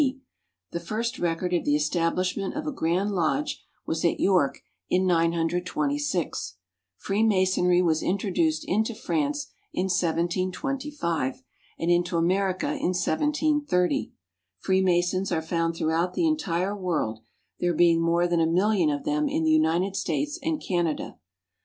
D. The first record of the establishment of a Grand Lodge was at York in 926. Freemasonry was introduced into France in 1725, and into America in 1730. Freemasons are found throughout the entire world, there being more than a million of them in the United States and Canada.